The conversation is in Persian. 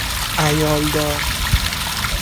عیال دار